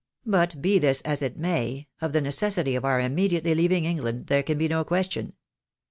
But be this as it may, of the necessity of our immediately leaving England there can be no question.